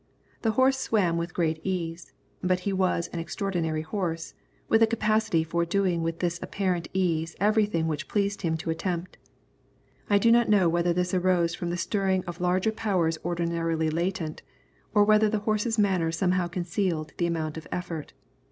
The horse swam with great ease, but he was an extraordinary horse, with a capacity for doing with this apparent ease everything which it pleased him to attempt. I do not know whether this arose from the stirring of larger powers ordinarily latent, or whether the horse's manner somehow concealed the amount of the effort.